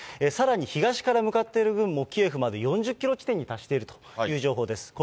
さらに東から向かっている軍もキエフまで４０キロ地点に達しているという情報です。